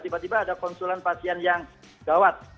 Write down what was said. tiba tiba ada konsulan pasien yang gawat